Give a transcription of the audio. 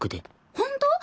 ホント？